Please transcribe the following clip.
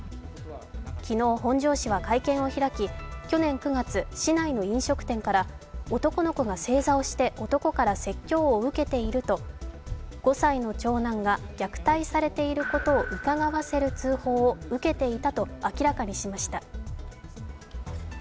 昨日、本庄市は会見を開き去年９月、市内の飲食店から男の子が正座をして男から説教を受けていると５歳の長男が虐待されていることをうかがわせる通報を受けていたと明らかにしました。